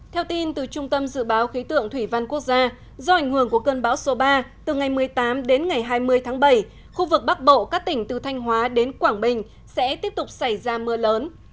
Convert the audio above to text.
theo tin từ trung tâm dự báo khí tượng thủy văn quốc gia do ảnh hưởng của cơn bão số ba từ ngày một mươi tám đến ngày hai mươi tháng bảy khu vực bắc bộ các tỉnh từ thanh hóa đến quảng bình sẽ tiếp tục xảy ra mưa lớn